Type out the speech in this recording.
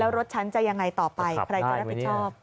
แล้วรถฉันจะยังไงต่อไปใครจะรับผิดชอบ